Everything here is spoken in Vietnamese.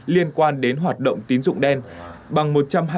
liên quan đến hoạt động tín dụng đen bằng một trăm hai mươi